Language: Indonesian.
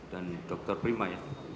dan dokter prima ya